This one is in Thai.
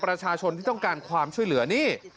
ประชาชนที่ต้องการความช่วยเหลือนี่